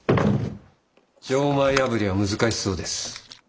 錠前破りは難しそうです。